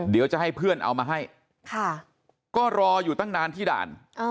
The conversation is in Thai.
เดี๋ยวจะให้เพื่อนเอามาให้ก็รออยู่ตั้งนานที่ด่าน